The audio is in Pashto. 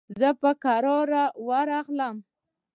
زه به کرار ورغلم.